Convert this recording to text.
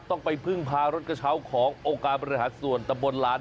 ต้องไปพึ่งพารถกระเช้าของโอกาสมีหาร์ส่วนตะมนตร์ล้าน